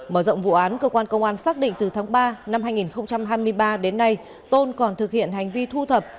mở rộng vụ án cơ quan công an xác định từ tháng ba năm hai nghìn hai mươi ba đến nay tôn còn thực hiện hành vi thu thập